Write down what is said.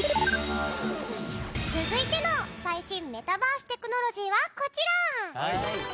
続いての最新メタバーステクノロジーはこちら！